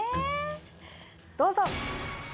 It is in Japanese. どうぞ。